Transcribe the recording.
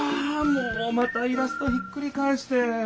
もうまたイラストひっくりかえして。